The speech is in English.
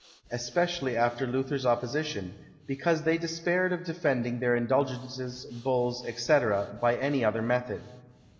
especially after Luther's opposition, because they despaired of defending their indulgences, bulls, &c., by any other method.